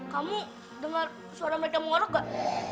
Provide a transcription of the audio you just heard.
kamu dengar suara mereka mengorok gak